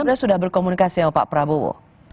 pak prabowo sudah berkomunikasi sama pak prabowo